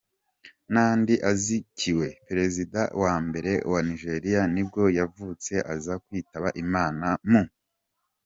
Nnamdi Azikiwe, perezida wa mbere wa Nigeria nibwo yavutse aza kwitaba Imana mu .